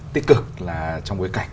tích cực là trong bối cảnh